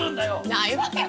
ないわよ！